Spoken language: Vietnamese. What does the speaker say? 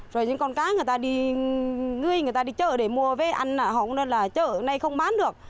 rồi những con cá người ta đi ngươi người ta đi chợ để mua vết ăn họ nói là chợ này không bán được